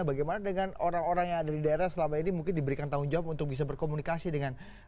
bagaimana dengan orang orang yang ada di daerah selama ini mungkin diberikan tanggung jawab untuk bisa berkomunikasi dengan